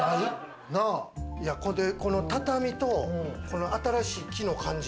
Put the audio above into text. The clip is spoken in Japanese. この畳と、この新しい木の感じ。